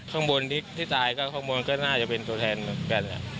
ข้างบนที่ตายก็ข้างบนก็น่าจะเป็นตัวแทนเหมือนกัน